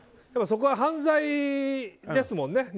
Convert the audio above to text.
そこは犯罪ですもんね。